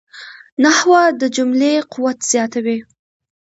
نحوه د جملې قوت زیاتوي.